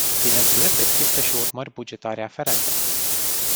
Bineînțeles, există și urmări bugetare aferente.